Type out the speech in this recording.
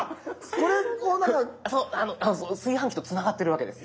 そう炊飯器とつながってるわけです。